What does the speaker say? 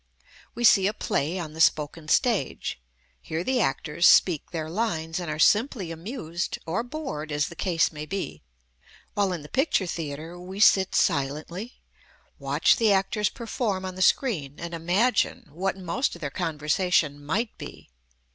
We see a play on the spoken stage, hear the actors speak their lines and are simply amused or bored as the case may be, while in the picture theatre we sit silently, watch the actors perform on the screen and imagine what most of their conversation might be.